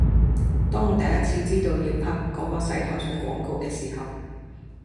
當我第一次知道要拍嗰個洗頭水廣告嘅時候